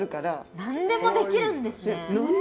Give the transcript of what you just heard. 何でもできるんですね！